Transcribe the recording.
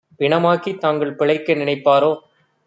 பிணமாக்கித் தாங்கள் பிழைக்க நினைப்பாரோ?"